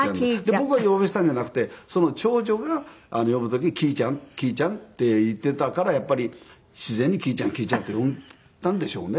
僕が呼ばせたんじゃなくてその長女が呼ぶ時に「きーちゃんきーちゃん」って言っていたからやっぱり自然に「きーちゃんきーちゃん」って呼んだんでしょうね。